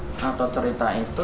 sampaikan ya seperti itu